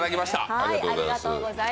ありがとうございます。